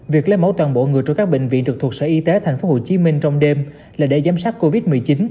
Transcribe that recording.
việc lấy mẫu toàn bộ người trưởng các bệnh viện trực thuộc sở y tế tp hcm trong đêm là để giám sát covid một mươi chín